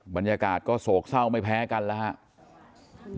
บรรยากาศก็โศกเศร้าไม่แพ้กันแล้วครับ